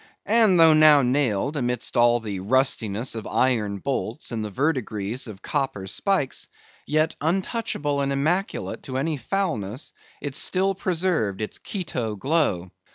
And though now nailed amidst all the rustiness of iron bolts and the verdigris of copper spikes, yet, untouchable and immaculate to any foulness, it still preserved its Quito glow.